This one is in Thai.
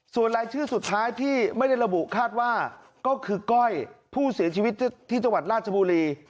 ส่วนรายชื่อสุดท้ายที่ไม่ได้ระบุคาดว่าก็คือก้อยผู้เสียชีวิตที่จังหวัดราชบุรี